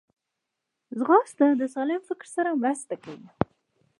ځغاسته د سالم فکر سره مرسته کوي